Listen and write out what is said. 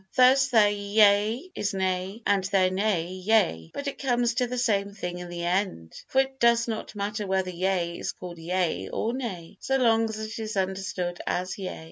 Thus their "yea" is "nay" and their "nay," "yea," but it comes to the same thing in the end, for it does not matter whether "yea" is called "yea" or "nay" so long as it is understood as "yea."